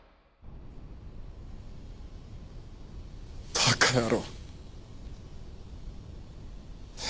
バカ野郎。